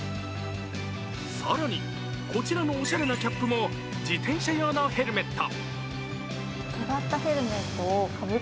更にこちらのおしゃれなキャップも自転車用のヘルメット。